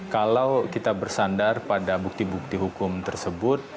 kalau kita bersandar pada bukti bukti hukum tersebut